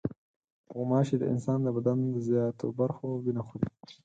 غوماشې د انسان د بدن د زیاتو برخو وینه خوري.